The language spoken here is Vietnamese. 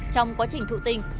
trong quá trình thụ tinh